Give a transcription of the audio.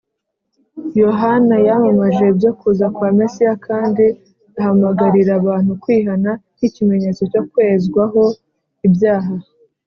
Yohana yamamaje ibyo kuza kwa Mesiya, kandi ahamagarira abantu kwihana. Nk’ikimenyetso cyo kwezwaho ibyaha